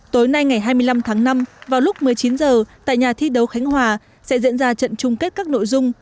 tối nay ngày hai mươi năm tháng năm vào lúc một mươi chín h tại nhà thi đấu khánh hòa sẽ diễn ra trận chung kết các nội dung